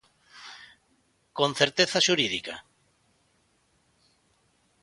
¿Con certeza xurídica?